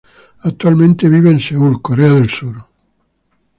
Actualmente vive en Seúl, Corea del Sur.